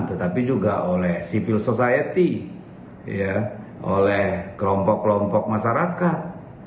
tetapi juga oleh civil society oleh kelompok kelompok masyarakat